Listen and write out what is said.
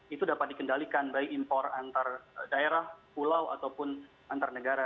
itu dapat dikendalikan baik impor antar daerah pulau ataupun antar negara